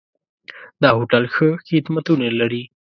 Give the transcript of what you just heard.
دا هوټل ښه خدمتونه لري.